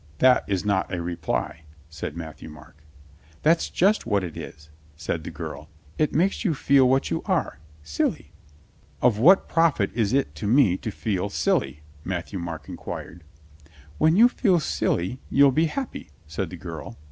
"That is not a reply," said Matthieu Marc. "That's just what it is," said the girl. "It makes you feel what you are — silly." "Of what profit is it to me to feel silly.?" Mat thieu Marc inquired. "When you feel silly you'll be happy," said the girl.